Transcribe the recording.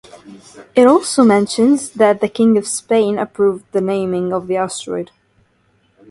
It also mentions that the King of Spain approved the naming of the asteroid.